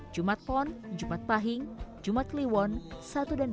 jumat pon jumat pahing jumat kliwon satu dan dua